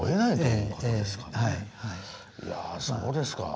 いやそうですか。